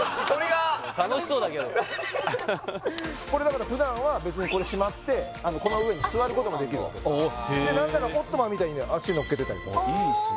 楽しそうだけどこれだから普段は別にこれしまってこの上に座ることもできるわけ何ならオットマンみたいにね足のっけてたりとか